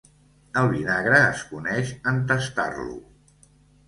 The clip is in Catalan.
El vinagre es coneix en tastar-lo.